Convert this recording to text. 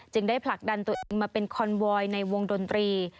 ได้ผลักดันตัวเองมาเป็นคอนวอยในวงดนตรี